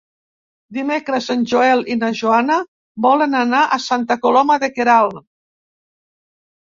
Dimecres en Joel i na Joana volen anar a Santa Coloma de Queralt.